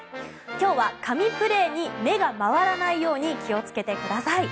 今日は神プレーに目が回らないように気をつけてください。